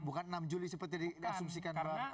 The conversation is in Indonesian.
bukan enam juli seperti dikasumsikan di kataran bang